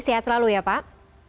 sehat selalu ya pak